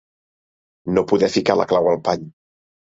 No poder ficar la clau al pany.